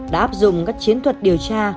đã áp dụng các chiến thuật điều tra